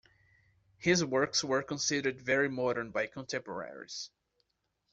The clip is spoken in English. His works were considered very modern by contemporaries.